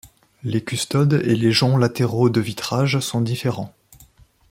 Les custodes et les joncs latéraux de vitrage sont différents.